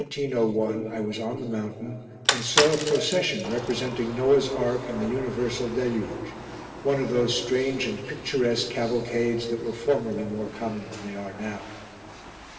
CHAPTER IX THE MADONNA AND THE PERSONAGGI In August, 1901, I was on the mountain and saw a procession representing Noah's Ark and the Universal Deluge one of those strange and picturesque cavalcades that were formerly more common than they are now.